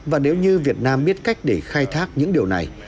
và nếu như việt nam biết cách để khai thác những điều này